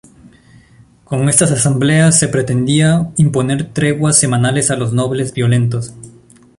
Con estas asambleas se pretendía imponer treguas semanales a los nobles violentos.